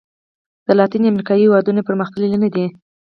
د لاتیني امریکا هېوادونو پرمختللي نه دي.